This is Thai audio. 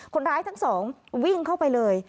คนร้ายทั้งสองวิ่งเข้าไปเลย